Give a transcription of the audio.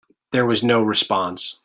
There was no response.